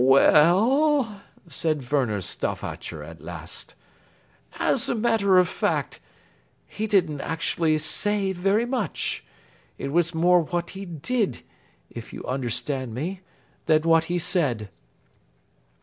"We e ll," said Werner Stauffacher at last, "as a matter of fact, he didn't actually say very much. It was more what he did, if you understand me, than what he said."